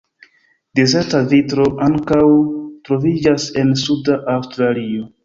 Dezerta vitro ankaŭ troviĝas en suda Aŭstralio.